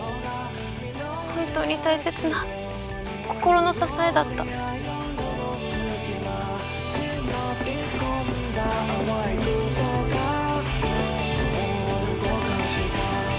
本当に大切な心の支えだったハァハァ。